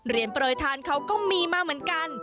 เรียนปริธานเขาก็มีมาเหมือนกัน